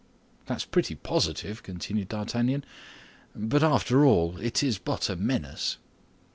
"That's pretty positive," continued D'Artagnan; "but after all, it is but a menace."